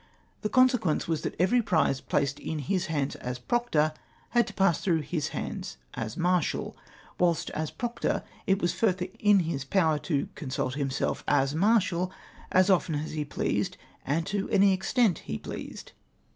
The consequence was that every prize placed in his hands as proctor had to pass through his hands as marshal ! whilst as proctor it ^vas further in his power to consult himself as marshal as often as he pleased, and to any extent he pleased.